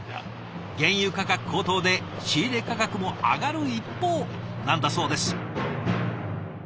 原油価格高騰で仕入れ価格も上がる一方なんだそうです。